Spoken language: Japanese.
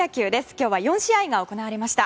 今日は４試合が行われました。